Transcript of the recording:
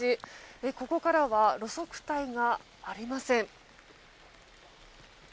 ここからは路側帯がありません。